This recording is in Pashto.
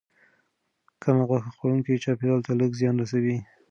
کم غوښه خوړونکي چاپیریال ته لږ زیان رسوي.